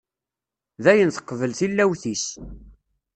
Dayen teqbel tillawt-is.